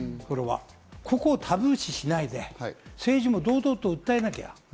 これをタブー視しないで、政治も堂々と訴えなきゃ。